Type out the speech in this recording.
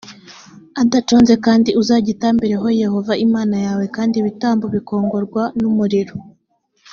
adaconze kandi uzagitambireho yehova imana yawe ibitambo bikongorwa n umuriro